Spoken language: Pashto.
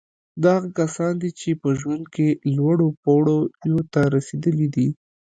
دا هغه کسان دي چې په ژوند کې لوړو پوړیو ته رسېدلي دي